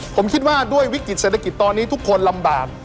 ผมคิดว่าด้วยวิกฤติเศรษฐกิจตอนนี้ทุกคนลำบาก